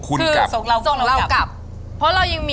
อืม